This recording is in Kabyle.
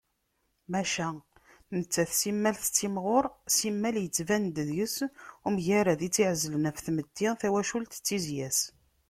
Maca, nettat simmal tettimɣur simmal yettban-d deg-s umgarad i tt-iεezlen ɣef tmetti, tawacult d tizya-s.